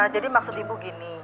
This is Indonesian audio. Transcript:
jadi maksud ibu gini